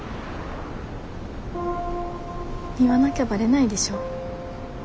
言わなきゃバレないでしょ。